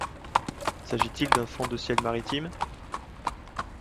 S'agit-il d'un fond de ciel maritime?